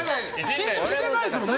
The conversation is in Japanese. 緊張してないですもんね。